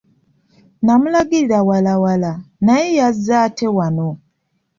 Namulagirira walala, naye yazze ate wano.